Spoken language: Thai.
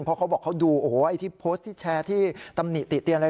เพราะเขาบอกเขาดูโอ้โหไอ้ที่โพสต์ที่แชร์ที่ตำหนิติเตียนอะไร